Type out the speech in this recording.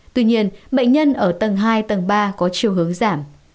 tuy nhiên bệnh nhân ở tầng hai tầng ba có chiều hướng giảm